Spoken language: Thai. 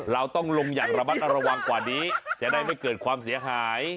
เราต้องลงอย่างระมัดระวังกว่านี้จะได้ไม่เกิดความเสียหาย